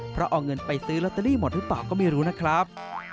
เพราะเอาเงินไปซื้อลอตเตอรี่หมดหรือเปล่าก็ไม่รู้นะครับ